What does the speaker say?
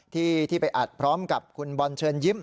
ที่ไปอัดพร้อมกับคุณบอลเชิญยิ้ม